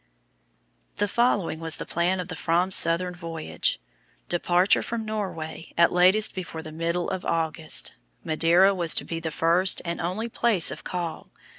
The following was the plan of the Fram's southern voyage: Departure from Norway at latest before the middle of August. Madeira was to be the first and only place of call.